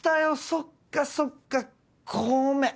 そっかそっかごめん。